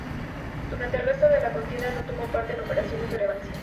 Durante el resto de la contienda no tomó parte en operaciones de relevancia.